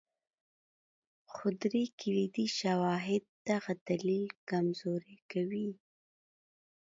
خو درې کلیدي شواهد دغه دلیل کمزوری کوي.